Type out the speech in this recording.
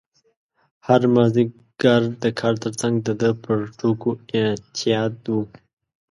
هره مازدیګر د کار ترڅنګ د ده پر ټوکو اعتیاد و.